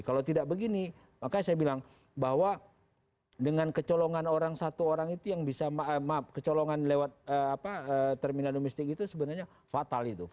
kalau tidak begini makanya saya bilang bahwa dengan kecolongan orang satu orang itu yang bisa maaf kecolongan lewat terminal domestik itu sebenarnya fatal itu